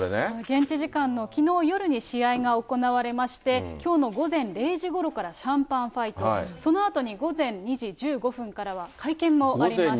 現地時間のきのう夜に、試合が行われまして、きょうの午前０時ごろから、シャンパンファイト、そのあとに午前２時１５分からは会見もありました。